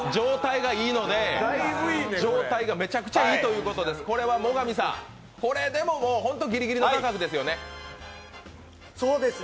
状態がめちゃくちゃいいということでこれは最上さん、これでもホントギリギリの価格ですよね？